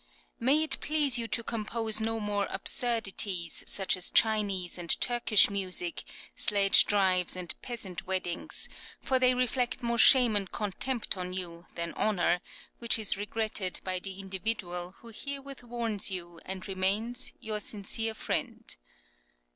"May it please you to compose no more absurdities, such as Chinese and Turkish music, sledge drives, and peasant weddings, for they reflect more shame and contempt on you than honour, which is regretted by the individual who herewith warns you and remains, "Your sincere Friend.